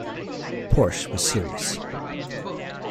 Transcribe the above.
Porsche was serious.